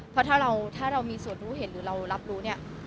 เพราะถ้าเรามีส่วนรู้เห็นหรือเรารับรู้เนี่ย